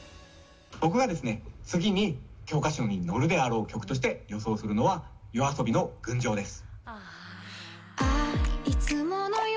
僕がですね、次に教科書に載るであろう曲として予想するのは、ＹＯＡＳＯＢＩの群青です。